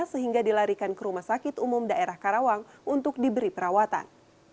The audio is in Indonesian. sehingga dilarikan ke rumah sakit umum daerah karawang untuk diberi perawatan